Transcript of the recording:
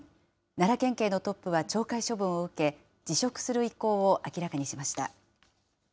奈良県警のトップは懲戒処分を受け、辞職する意向を明らかにしました。